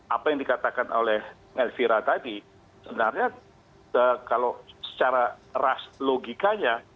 apa yang dikatakan oleh elvira tadi sebenarnya kalau secara ras logikanya